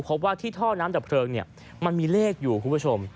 พบว่าที่ท่อน้ำดับเพลิงมันมีเลขอยู่คุณผู้ชม